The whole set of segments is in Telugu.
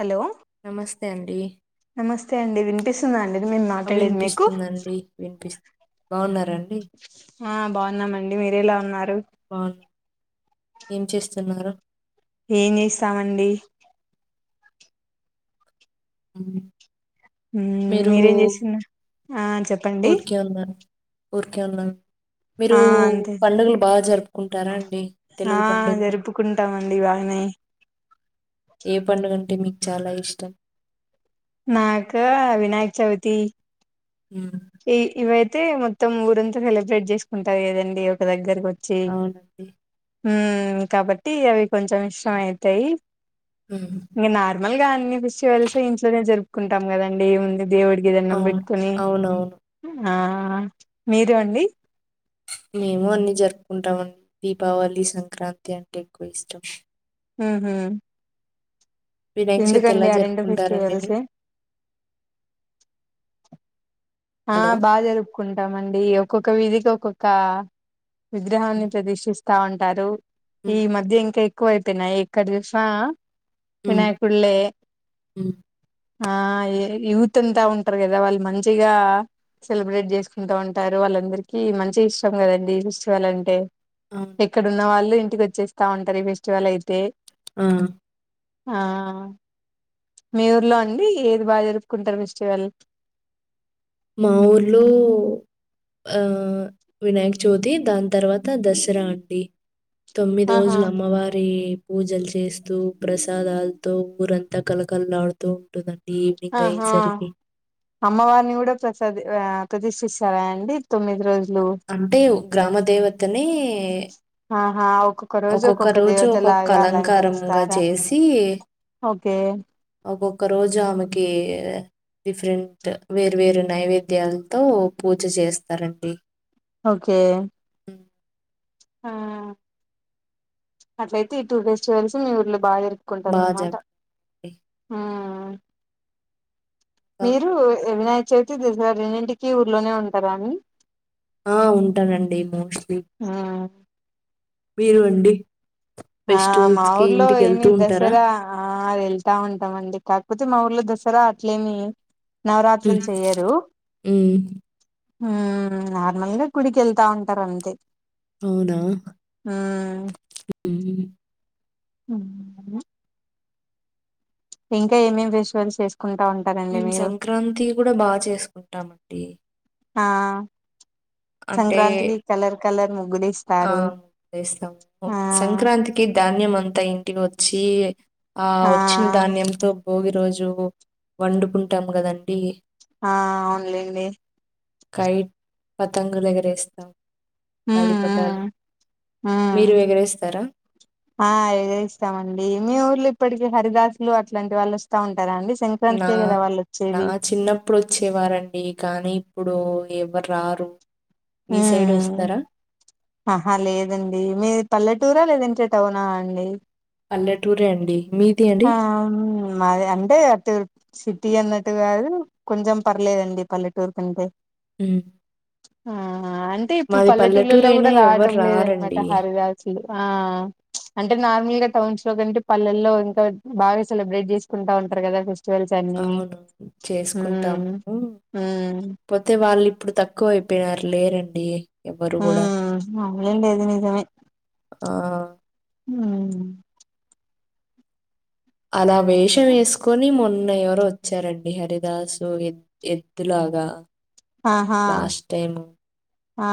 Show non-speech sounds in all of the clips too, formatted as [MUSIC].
హలో నమస్తే అండి నమస్తే అండి వినిపిస్ ందడి [INAUDIBLE] మీరు ఆ మాట్లాడేది మీకు వినిపిస్తుందండి వినిపిస్తు బాగున్నారండి హా బాగున్నామండి మీరు ఎలా ఉన్నారు బాగున్నా ఏం చేస్తున్నారు ఏం చేస్తామండి మ్ మ్ మీరేం చేస్తున్నారు ఆ చెప్పండి ఊరికే ఉన్నాను ఊర్కే ఉన్నాను మీరు ఆ అంతే పండుగలు బాగా జరుపుకుంటారా అండి ఆ తెలుగు పండుగలు జరుపుకుంటామండి బాగానే ఏ పండుగంటే మీకు చాలా ఇష్టం నాకు వినాయక చవితి ఉమ్ ఈ ఇవ అయితే మొత్తం ఊరంతా సెలబ్రేట్ చేసుకుంటారు కదండి ఒక దగ్గరకి వచ్చి అవునండి మ్మ్ కాబట్టి అవి కొంచం ఇష్టం అయితాయి ఉమ్ ఇంక నార్మల్గా అన్ని ఫెస్టివల్స్ ఇంట్లోనే జరుపుకుంటాం కదండి ఏముంది దేవుడికి దణ్ణం అవును బెట్టుకుని అవునవును ఆ మీర అండి మేము అన్ని జరుపుకుంటామండి దీపావళి సంక్రాంతి అంటే ఎక్కువ ఇష్టం ఊహు వినాయక చవితి ఎందుకండి ఎలా ఆరెండు జరుపుకుంటారండి ఫెస్టివల్ మీరు సే ఆ హలో బా జరుపు కుంటామండి ఒక్కొక్క వీధికి ఒక్కొక్క విగ్రహాన్ని ఉమ్ ప్రదర్శిస్త స్తా ఉంటారు ఈ ఉమ్ మధ్య ఇంకా ఎక్కువ అయిపోయినాయి ఎక్కడ చూసినా ఉమ్ వినాయకుల్లే ఉమ్ ఆ యూత్ అంతా ఉంటారు కదా వాళ్ళు మంచిగా గా సెలబ్రేట్ చేసుకుంటా ఉంటారు వాళ్ళందరికి మంచి ఇష్టం కదండి ఫెస్టివల్ అంటే అవును ఎక్కడన్న వాళ్ళు ఇంటికి వచ్చేస్తా ఉంటారు ఈ ఫెస్టివల్ అయితే ఆ ఆ మీ ఊర్లో అండి ఏది బాగా జరుపుకుంటారు ఫెస్టివల్ మా ఊర్లో ఆ వినాయక చవితి దాని తర్వాత దసరా అండి తొమ్మిది ఆహా రోజులు అమ్మవారి పూజలు చేస్తూ ప్రసాదాలతో ఊరంతా కలకలాడుతూ ఉంటుందని ఆహా అమ్మవారీ నీ కూడా ప్రస్ ప్రదష్ిస్తారా అండి తొమ్మిది రోజులు అంటే ఓ గ్రామ దేవతని ఎ ఆహా ఓ ఒక్కొక్క రోజు ఒక్కొక్క అలంకారంగా చేసి కె ఒక్కొక్క రోజు ఆమెకి డిఫరెంట్ వేరు వేరు నైవేద్యాలతో పూజ చేస్తారండి ఓకే మ్మ్ ఆ అట్లయితే ఈ టూర్ గెస్ట్ ఫెస్టివల్స్ మీ ఊర్లో బాగా జరుగు కుంటారు బాగా అనమాట చెప్పండి మ్మ్ మీరు వినాయి చెతుది దసరా రీన్నింటికిీ ఊర్లోనే ఉంటారా అని ఆ ఉంటానండి మోస్ట్లీ ఆ మీరు అండి ఆ మా ఫెస్టివల్స్ కి ఊర్లో ఇంటికి ఏమి వెళ్తూ ఉంటారా దసరా ఆ ఆ వెళ్తా ఉంటాం అండి కాకపోతే మా ఊర్లో దసరా అట్లేమి నవరాత్రులు చెయ్యరు మ్మ్. మ్మ్ నార్మల్గా గుడికి వెళ్తా ఉంటారు అంతే అవునా మ్మ్ ఉ ఇంకా ఏమేం ఫెస్టివల్స్ చెస్ మేము సంక్రాంతి కూడా బాగా చేసుకుంటామండి ఆ అంటే సంక్రాంతికి కలర్ కలర్ ముగ్గులు ఆ ఇస్తారు చేస్తాం ఆ సంక్రాంతికి ధాన్యం అంతా ఇంటి వత్ చ్చి ఆ వచ్చిన ధాన్యంతో భోగి రోజు వండుకుంటాం గాద అండి ఆ అవునులేండి కైట్ పతంగులు ఎగరేస్తాం హ్మ్ గాలిపటాలు హ్మ్ హ్మ్ మీరు ఎగరేస్తారా? ఆ ఎగిరేస్తామండి మీ ఊర్లో ఇప్పటికీ హరిదాసులు అట్లాంటి వాళ్ళు వస్తా ఉ నా నా చిన్నప్పుడు వచ్చేవారండి కానీ ఇప్పుడు ఇప్పుడు ఎవరు రారు మీ సైడ్ హ్మ్ వస్తారా? ఆహా లేదండి మీ పల్లెటూరా లేదంట టౌనా అండి పల్లెటూరే అండి మీది అండి ఆ మది అంటే అటు సిటీ అన్నట్టుగాదు కొంచెం పర్లేదండి పల్లెటూరు కంటే హ్మ్ ఆ ఆ అంటే ఇప్పుడు మాది పల్లెటూరు పల్లెటూళ్లలో అయినా కూడా ఎవ్వరు రావడం లేదనమాట రారండి. హరిదాసులు ఆ అంటే నార్మల్గా టౌన్స్ లో కంటే పల్లెల్లో బాగా సెలబ్రేట్ చేసుకుంట ఉంటారు కదా ఫెస్టివల్స్ అన్ని అవును ఉమ్ చేసుకుంటాము ఉమ్ పోతే వాళ్ళు ఇప్పుడు తక్కువ అయిపోయినారు లేరండి డి హ అట్లా ఏం లేదు నిజమే ఆ హ్మ్ అలా వేషం వేసుకొని మొ ఉన్న ఎవరో వచ్చారండి హరిదాసు ఎ ఎద్దులాగా ఆహా లాస్ట్ టైము ఆ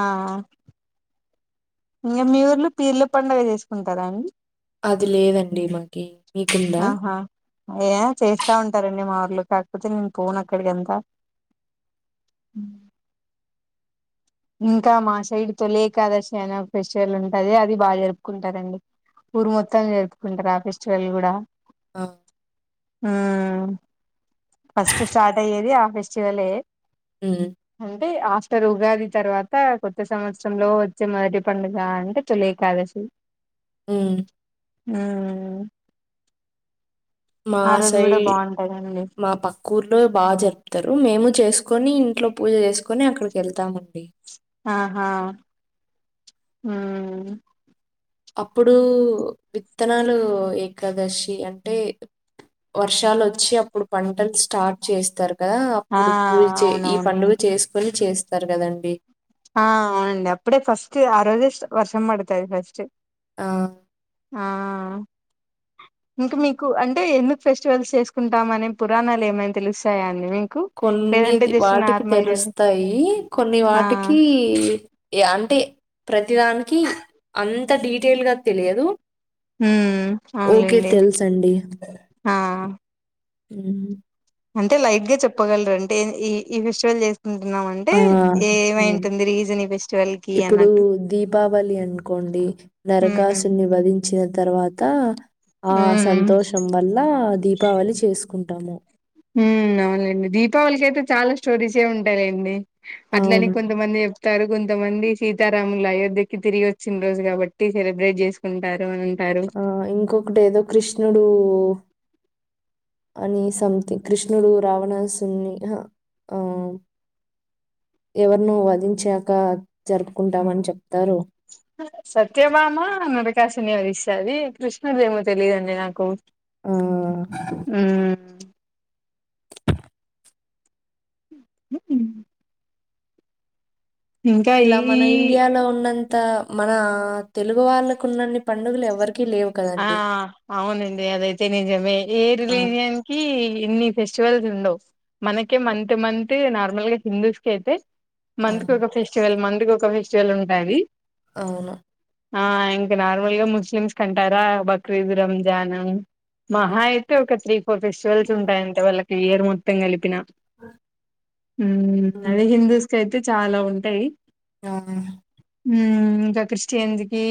ఇంకా మీ ఉర్లు పీర్ల పండుగ చేసుకుంటారా అండి అది లేదండి మాకి మీకుందా ఆహా ర్లకాకపోతే నేను పోన్ అక్కడికి అంత ఇంకా మా సైడ్ తొలి ఏకాదశి అనే ఫెస్టివల్ ఉంటది అది బాగా జరుపుకుంటారండి ఊరు మొత్తం జరుపుకుంటారు ఆ ఫెస్టివల్ కూడా ఆ హ ఫస్ట్ స్టార్ట్ అయ్యేది ఆ ఫెస్టివలే హ్మ్ అంటే ఆఫ్టర్ ఉగాది తర్వాత కొత్త సంవత్సరంలో వచ్చే మొదటి పండుగ అంటే తొలి ఏకాదశి హ్మ్ హ్మ్ మా సై మా పక్క ఊర్లో బాగా జరుపుతారు మేము చేసుకొని ఇంట్లో పూజ చేసుకొని అక్కడికి వెళ్తామండి ఆహా హ్మ్ అప్పుడు విత్తనాలు ఏకాదశి అంటే వర్షాలు వచ్చి అప్పుడు పంటలు స్టార్ట్ చేస్తారు కదా ఆ అప్పుడు పూజ చే ఈ అవునవును పండుగ చేసి పని చేస్తారు కదండి ఆ అవునండి అప్పుడే ఫస్ట్ ఆ రోజే వర్షం పడుతాది ఫస్ట్ ఆ ఆ ఇంకా మీకు అంటే ఎందుకు ఫెస్టివల్స్ చేసుకుంటాంమనే పురాణాలు ఏమైనా తెలుస్తాయా అని కొన్ని ది వాటికి తెలుస్తాయి కొన్ని ఆ వాటికి అంటే ప్రతిదానికి అంత డిటెయిల్ గా తెలియదు హ్మ్ ఓకే అవునులేండి ఆ హ [INAUDIBLE] అంటే లైవ్ గా చెప్పగలరు అంటే ఈ ఫిస్టిువల్ చేస్త ఆ అవును రీజన్ ఈ ఫెస్టివల్‌కి ఇప్పుడు అన్నట్టు. దీపావళి అనుకోండి హ్మ్. హ్మ్. నరకాసుని వధిం చిన తర్వాత ఆ హ్మ్. సంతోషం వల్ల దీపావళి చేసుకుంటాము హ్మ్ అవునండి దీపావళికి అయితే చాలా స్టోరీస్ సే ఉంటాయి లెండి అట్లనే అవును. కొంతమంది తారు కొంతమంది సీతారాములు అయోధ్యకి తిరిగి వచ్చిన రోజు కాబట్టి సెలబ్రేట్ చేసుకుంటారు అంటారు. ఆ ఇంకొకటి ఏదో కృష్ణుడు అని సంథింగ్ కృష్ణుడు రావణాసుని హ ఆ ఎవరినో వదించాక జరుపుకుంటామని చెప్త సత్యభామా నడ ఆకాశని అ ఇస్తది కృష్ణదేమో తెలీయదండి నాకు ఆ హ్మ్. [INAUDIBLE] ఇంకా ఈ ఇలా మన ఈ ఇండియాలో ఉన్నంత మన తెలుగు వాళ్ళకు ఉన్నన్ని పండుగలు ఎవరికి ఆ అవునండి అదైతే నిజమే ఏ ఆ! రిలీజియన్ కి ఇన్ని ఫెస్ట్ రిచువల్స్ ఉండవు మనకే మంత్ మంత్ నార్మల్ గా హిందూస్ కి అయితే ఆ! మంత్కి ఒక ఫెస్టివల్ మంత్కి ఒక ఫెస్టివల్ ఉంటాంది అవును ఆ ఇంకా నార్మల్గా ముస్లిమ్స్ కనిపి కరా బక్రీదు రంజాన్ మహా హ్మ్. అయితే ఒక త్రీ ఫోర్ ఫెస్టివల్స్ ఉంటాయంటే వాళ్ళకి ఇయర్ మొత్తం కలిపిన హ్మ్ అది హిందూస్కైతే అయితే చాలా ఉంటాయి ఆ ఇంకా క్రిస్టియన్స్కి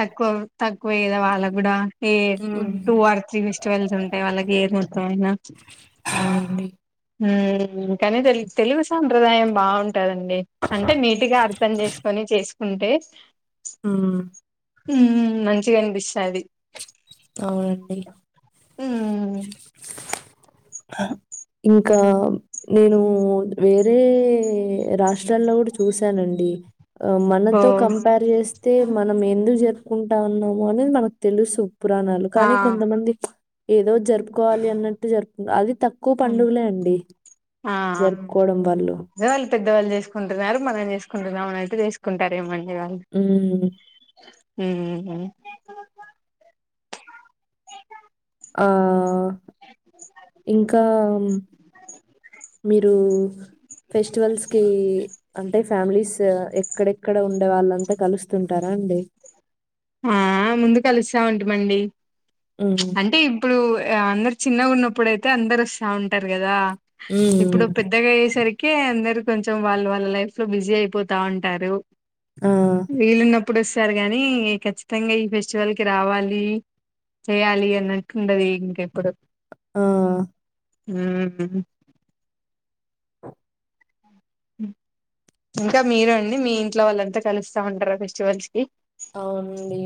తక్కువ ఎక్కువ ఏదో వాళ్ళకి కూడా ఏ హ్మ్. టూ ఆర్ త్రీ ఫెస్టివల్స్ ఉంటాయి వాళ్ళకి ఇయర్ మొత్తం అయినా అవునండి. హ్మ్ కాని తె తెలుగు సాంప్రదాయం బా ఉంటదండి అంటే నీట్గా అర్థం చేసుకొని చేసు ఉంటే హ్మ్ హ్మ్ మంచిగా అనిపిస్తాది అవునండి హ్మ్ ఇంకా నేను వేరే రాష్ట్రాల్లో కూడా చూసానండి ఆ మనతో ఓహ్! కంపేర్ చే అయితే మనం ఎందుకు జరుపుకుంటాన్నాము అనేది మనకు తెలుసు పురాణాలు ఆ! కానీ కొంతమంది ఏదో జరుపుకోవాలి అన్నట్టు జరుపు అది తక్కువ హ్మ్. పండుగలే అండి ఆ! ఆ! జరుపుకోవడం వాళ్ళు అదే వాళ్ళు పెద్దవాళ్ళు చేసుకుంటున్నారు మనం చేసుకుంటున్నాం అతే చేసుకుంటారేమంటడి హ్మ్ హ్మ్ హ్మ్ ఆ ఇంకా మీరు ఫెస్టివల్స్కి అంటే ఫ్యామిలీస్ ఎక్కడెక్కడ ఉండే వాళ్ళంతా కలుస్తుంటారా అండి ఆ ముందు కలుస్తా ఉంటిమండి హ్మ్. అంటే ఇప్పుడు అందరు చిన్నగా ఉన్నప్పుడైతే అందరు వస్తా ఉంటారు కదా హ్మ్. ఇప్పుడు పెద్దగయ్యేసరికి కే అందరు కొంచం వాళ్ళు వాళ్ళ లైఫ్ లో బిజీ అయిపోతా ఉంటారు ఆ ఇప్పుడు వస్తారు గాని ఖచ్చితంగా ఈ ఫెస్టివల్ కి రావాలి చేయాలి అన్నట్టుండది ఇంకెప్పుడు ఆ హ్మ్ ఆ ఇంకా మీరు అండి మీ ఇంట్లో వాళ్ళంతా కలుస్తా ఉంటారా ఫెస్టివల్స్ కి అవునండి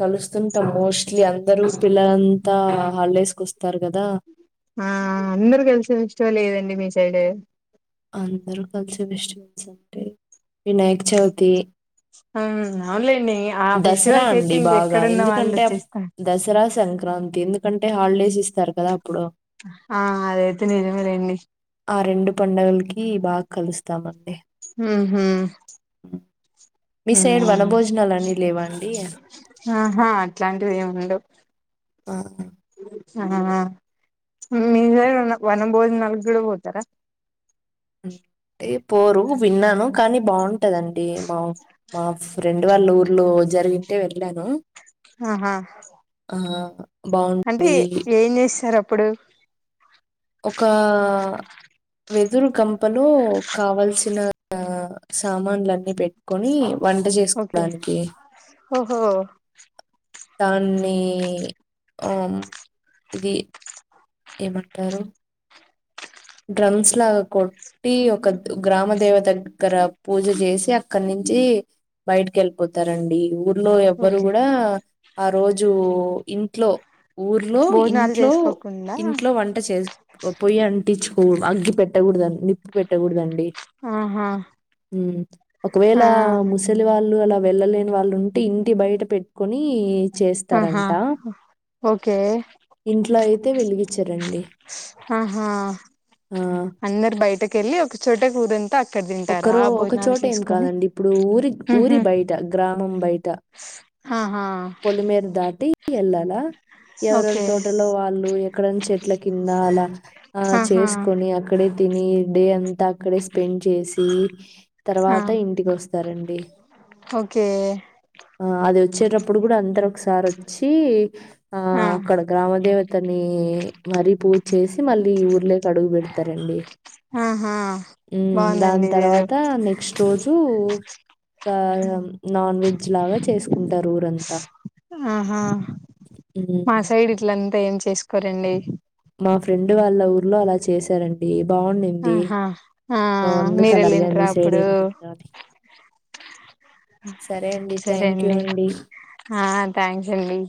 కలుస్తుంటం మోస్ ఇ అందరుూ పిల్లల అంతా హాలిడేస్ కు వస్తారు కదా ఆ అందరు కలిసిన ఇష్టం లేదండి మీ సైడ్ అందరుూ కలిసి ఫెస్టివల్స్ అంటే వినాయక చవితి హ అవునులేండి ఆ దసరా ఫెస్టివల్ కి అయితే అండి బాగా ఇంకెక్కడున్న వాళ్ళు ఎందుకంటే వచ్చేస్తారు దసరా సార్క్ సంక్రాంతి ఎందుకంటే హాలిడేస్ ఇస్తారు కదా అప్పుడు ఆ అదైతే నేజమే లెండి ఆ రెండు పండుగలకి బాగా కలుస్తామండి హుహు మీ హు సైడ్ వనభోజనాలన్నీ లేవా అండి? ఆహా అట్లాంటివి ఏముండవు ఆ ఆ మీ సైడ్ వన బోజనాలకి కూడా పోతార అంటె పోరు విన్నాను కానీ బా ఉంటదండి మా మా ఫ్రెండ్ వాళ్ళ ఊర్లో జరిగింటే వెళ్లాను ఆహా ఆ అంటే బాగుంటది ఏం చేస్తారు అప్ ప్పుడు ఒక వెదురుకంపలో కావల్సిన సామాన్లన్ని పెట్టుకొని వంట ఓకే చేసుకోడానికి ఓహో దాన్ని ఇది ఏమంటారు డ్రమ్స్ లాగా కొట్టి ఒక గ్రామ దేవత దగ్గర పూజ చేసి అక్కడి నుంచి బయటికి వెళ్ళిపోతారండి ఊర్ లో ఎవ్వరు ఓకే కూడా ఆ రోజు ఇంట్లో ఊర్లో భోజనాలు ఇంట్లో చేసుకోకుండా ఇంట్లో వంట చేసు పొయ్యి అన్ పిచ్ అగ్గి పెట్టకూడద నిప్పు పెట్టకూదండి ఆహా ఒకవేళ ఆ ముసలి వాళ్ళు అలా వెళ్ళలేని వాళ్ళు ఉంటే ఇంటి బయట పెట్టుకొని ఆహా చేస్తారంట ఓకే ఇంట్లో అయితే వెలిగి ఆహా ఆ అందరు బయటక వెళ్ళి ఒక చోట ం ఒకరో ఒకచోట ఏం కాదండి ఇప్పుడు ఊరి ఊరి ఉహు బయట గ్రామం బయట ఆహా పొలిమేరు దాటి ఎల్లాలా ఎవరెవరు ఓకే తోటలో వాళ్ళు అక్కడ చెట్ల కింద అలా ఆ ఆహా చేసుకొని అక్కడె తిని డే అంతా అక్కడే స్పెండ్ చేసి ఆ తర్వాత ఇంటికి వస్తారండి ఓకే ఆ అది వచ్చేట అందరు ఒకసారి వచ్చి ఆ అక్కడ గ్రామ దేవతని మరీ పూర్తి చేసి మళ్ళీ ఈ ఊర్లేకి అడుగు పెడతారండి ఆహా హ్మ్ దాని బాగుందండి ఇదేదో తర్వాత నెక్స్ట్ రోజు నాన్ వెజ్ లాగా చేసుకుంటారు ఊరంత ంతా ఆహా మా సైడ్ ఇట్లంతా ఏం చేసుకోరండి మా ఫ్రెండ్ వాళ్ళ ఊర్లో అలా చేసారండి ఆహా ఆ అందుకు మీర అలా అడిగాను వెళ్ళింటార మీ సైడ్ అప్పుడు ఏమనుందా అని. సరే అండి సరే థ్యాంక్ యూ అండి ఆ థ్యాంక్స్ అండి